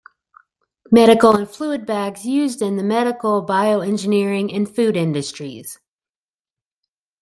Medical and fluid bags used in the medical, bioengineering and food industries.